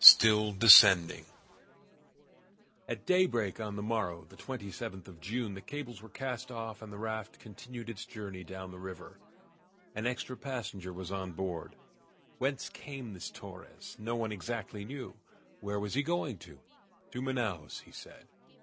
STILL DESCENDING At daybreak on the morrow, the 27th of June, the cables were cast off, and the raft continued its journey down the river. An extra passenger was on board. Whence came this Torres? No one exactly knew. Where was he going to? "To Manaos," he said.